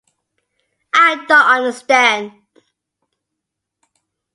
تو اس کے شہر میں کچھ دن ٹھہر کے دیکھتے ہیں